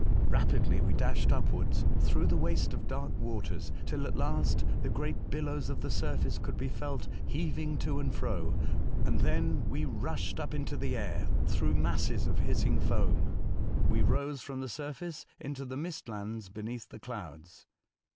EapidJy we dashed upwards through the waste of dark waters, till at last the great ])illows of the surface could be felt heaving to and fro, and then we rushed up into the air throuo'h masses of hissino^ foam. We rose from the surface into the mist lands beneath the clouds.